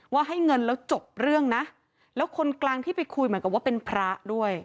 ให้เงินแล้วจบเรื่องนะแล้วคนกลางที่ไปคุยเหมือนกับว่าเป็นพระด้วย